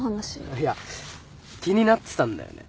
いや気になってたんだよね